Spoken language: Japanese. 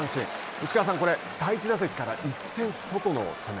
内川さん、第１打席から一転、外の攻め。